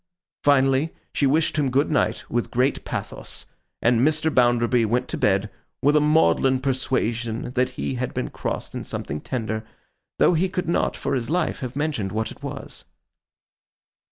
Finally, she wished him good night, with great pathos; and Mr. Bounderby went to bed, with a maudlin persuasion that he had been crossed in something tender, though he could not, for his life, have mentioned what it was.